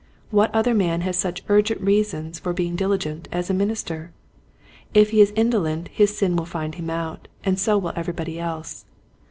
What other man has such urgent reasons for being diligent as a minister ? If he is indolent his sin will find him out, and so will everybody else.